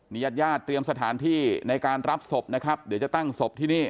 ญาติญาติเตรียมสถานที่ในการรับศพนะครับเดี๋ยวจะตั้งศพที่นี่